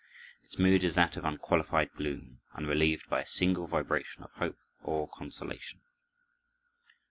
Its mood is that of unqualified gloom, unrelieved by a single vibration of hope or consolation.